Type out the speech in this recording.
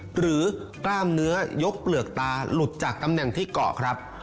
กล้ามเนื้อยกเปลือกตาหลุดจากตำแหน่งที่เกาะครับ